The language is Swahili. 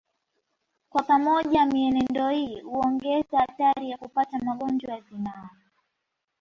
Kwa pamoja mienendo hii huongeza hatari ya kupata magonjwa ya zinaa